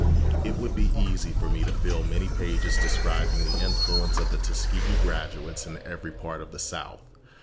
It would be easy for me to fill many pages describing the influence of the Tuskegee graduates in every part of the South.